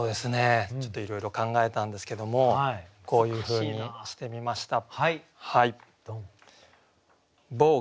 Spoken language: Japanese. ちょっといろいろ考えたんですけどもこういうふうにしてみました。